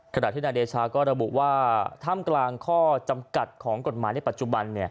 ขณะที่นายเดชาก็ระบุว่าท่ามกลางข้อจำกัดของกฎหมายในปัจจุบัน